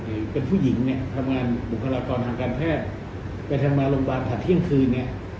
หรือเป็นผู้หญิงเนี่ยทำงานบุคลากรทางการแพทย์ไปทำงานโรงพยาบาลผ่านเที่ยงคืนเนี่ย